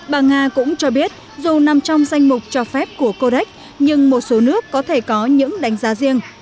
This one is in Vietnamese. bà nga cũng cho biết dù nằm trong danh mục cho phép của codec nhưng một số nước có thể có những đánh giá riêng